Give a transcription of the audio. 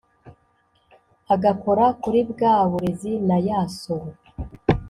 agakora kurí bwáa burézi na yáa soro